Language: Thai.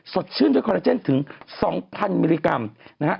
สดชื่นด้วยคอลลาเจนถึง๒๐๐มิลลิกรัมนะฮะ